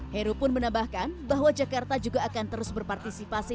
heru pun menambahkan bahwa jakarta juga akan terus berpartisipasi